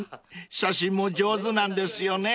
写真も上手なんですよね］